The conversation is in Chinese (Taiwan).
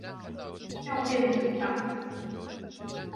用電阻檔